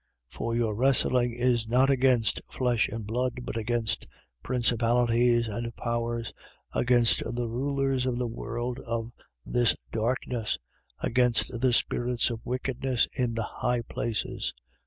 6:12. For our wrestling is not against flesh and blood; but against principalities and powers, against the rulers of the world of this darkness, against the spirits of wickedness in the high places.